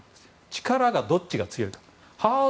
力がどちらが強いか。